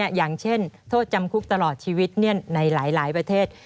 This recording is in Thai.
อย่างเช่นโทษจำคุกตลอดชีวิตในหลายประเทศ